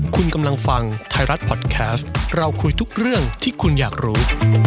คุณกำลังฟังไทยรัฐพอดแคสต์เราคุยทุกเรื่องที่คุณอยากรู้